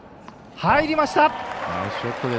入りました。